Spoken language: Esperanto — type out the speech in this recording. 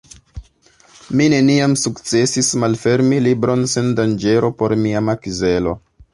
Mi neniam sukcesis malfermi libron sen danĝero por mia makzelo.